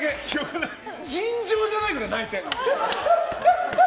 尋常じゃないぐらい泣いたの。